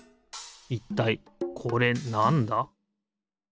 いったいこれなんだ？